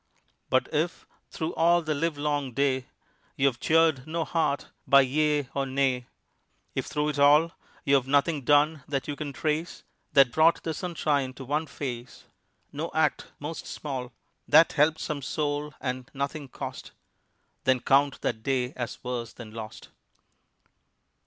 But if, through all the livelong day, You've cheered no heart, by yea or nay If, through it all You've nothing done that you can trace That brought the sunshine to one face No act most small That helped some soul and nothing cost Then count that day as worse than lost.